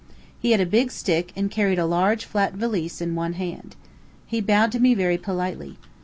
He had a big stick, and carried a large flat valise in one hand. He bowed to me very politely.